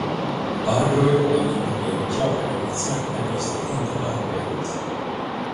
Barbro i ovannämnda brev klagade över att smärtorna i bröstet hindrade arbetet.